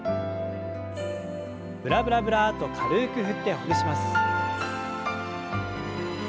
ブラブラブラッと軽く振ってほぐします。